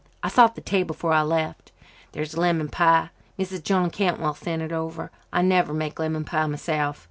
I sot the table before I left. There's lemon pie. Mrs. John Cantwell sent it over. I never make lemon pie myself.